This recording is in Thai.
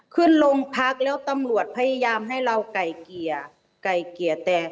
ขึ้นลงพักแล้วตำรวจพยายามให้เราไก่เกียร์